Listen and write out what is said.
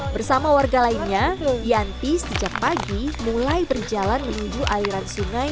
bersama warga lainnya yanti sejak pagi mulai berjalan menuju aliran sungai